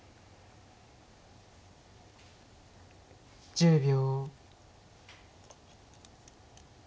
１０秒。